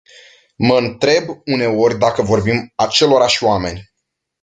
Mă întreb uneori dacă vorbim acelorași oameni.